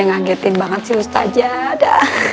ngehagetin banget sih ustazah